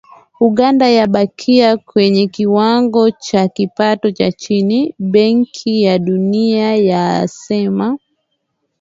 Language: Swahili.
"Uganda yabakia kwenye kiwango cha kipato cha chini", Benki ya Dunia yasema.